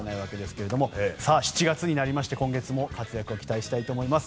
７月になりまして今後も活躍を期待したいと思います。